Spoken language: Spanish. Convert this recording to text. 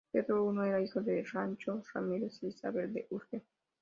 Pedro I era hijo de Sancho Ramírez e Isabel de Urgel.